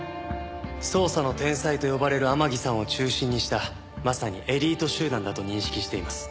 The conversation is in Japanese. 捜査の天才と呼ばれる天樹さんを中心にしたまさにエリート集団だと認識しています。